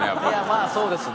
まあそうですね。